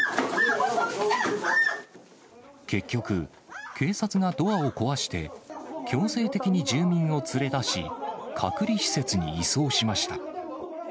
結局、警察がドアを壊して、強制的に住民を連れ出し、隔離施設に移送しました。